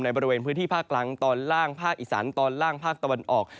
บริเวณพื้นที่ภาคกลางตอนล่างภาคอีสานตอนล่างภาคตะวันออก